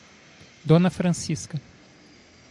Dona Francisca